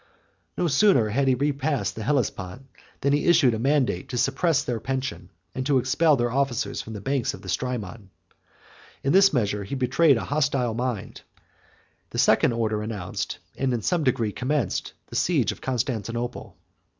No sooner had he repassed the Hellespont, than he issued a mandate to suppress their pension, and to expel their officers from the banks of the Strymon: in this measure he betrayed a hostile mind; and the second order announced, and in some degree commenced, the siege of Constantinople.